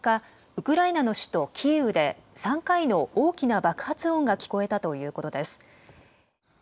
ウクライナの首都キーウで３回の大きな爆発音が聞こえたということです。